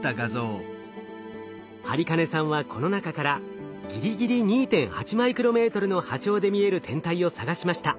播金さんはこの中からぎりぎり２．８マイクロメートルの波長で見える天体を探しました。